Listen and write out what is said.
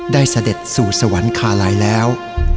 เสด็จสู่สวรรคาลัยแล้ว